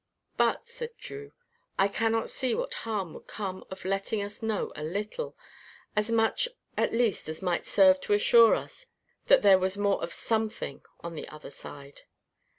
"But," said Drew, "I cannot see what harm would come of letting us know a little as much at least as might serve to assure us that there was more of SOMETHING on the other side."